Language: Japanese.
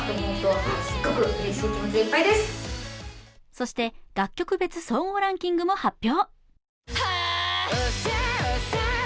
そして、楽曲別総合ランキングも発表。